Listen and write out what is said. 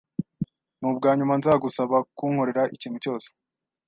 Nubwa nyuma nzagusaba kunkorera ikintu cyose